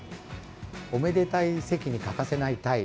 おめでたい席に欠かせないタイ。